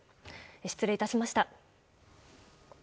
失礼いたしました。